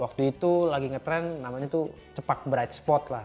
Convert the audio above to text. waktu itu lagi ngetren namanya itu cepak bright spot lah